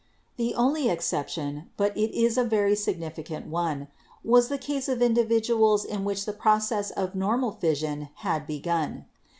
The only exception — but it is a very significant one — was the case of individuals in which the process of normal fis sion had begun.